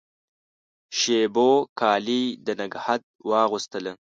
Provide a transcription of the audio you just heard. شېبو کالي د نګهت واغوستله